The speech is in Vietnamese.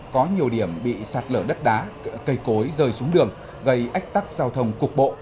có nhiều điểm bị sạt lở đất đá cây cối rơi xuống đường gây ách tắc giao thông cục bộ